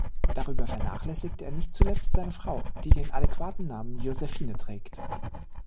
Darüber vernachlässigt er nicht zuletzt seine Frau, die den adäquaten Namen Josephine trägt.